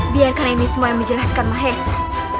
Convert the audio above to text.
biarkan ini semua yang menjelaskan mahesa